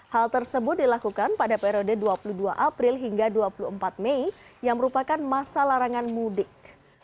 hal tersebut dilakukan pada periode dua puluh dua april hingga dua puluh empat mei yang merupakan masa larangan mudik